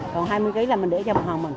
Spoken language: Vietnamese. còn hai mươi cây mình để cho bọn họ